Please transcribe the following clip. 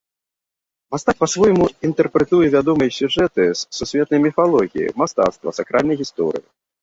Мастак па-свойму інтэрпрэтуе вядомыя сюжэты з сусветнай міфалогіі, мастацтва, сакральнай гісторыі.